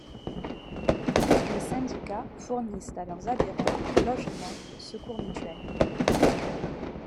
Les syndicats fournissent à leurs adhérents logement, secours mutuels.